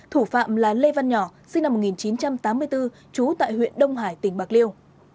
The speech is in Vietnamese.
thủ phạm là lê văn nhỏ sinh năm một nghìn chín trăm tám mươi bốn trú tại huyện đông hải tỉnh bạc liêu